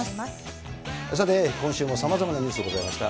さて、今週もさまざまなニュース、ございました。